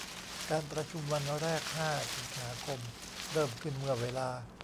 การประชุมวันแรก ห้า สิงหาคม เริ่มขึ้นเมื่อเวลา